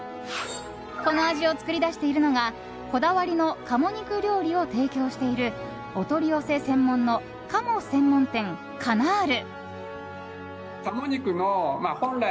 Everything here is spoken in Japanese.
この味を作り出しているのがこだわりの鴨肉料理を提供しているお取り寄せ専門の鴨専門店カナール。